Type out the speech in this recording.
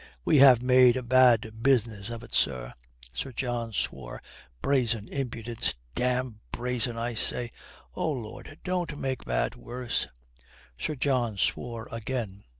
"We have made a bad business of it, sir." Sir John swore. "Brazen impudence, damme, brazen, I say." "Oh Lord! Don't make bad worse." Sir John swore again.